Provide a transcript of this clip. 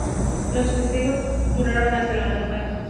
Los festejos duraron hasta la madrugada.